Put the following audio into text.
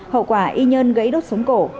hậu quả y nhân gãy đốt sống cổ